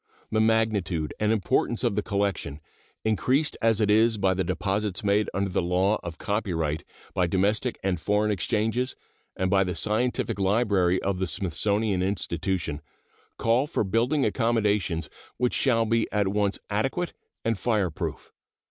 The magnitude and importance of the collection, increased as it is by the deposits made under the law of copyright, by domestic and foreign exchanges, and by the scientific library of the Smithsonian Institution, call for building accommodations which shall be at once adequate and fireproof.